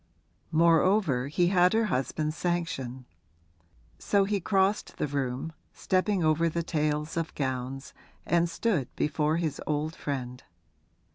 Moreover he had her husband's sanction; so he crossed the room, stepping over the tails of gowns, and stood before his old friend.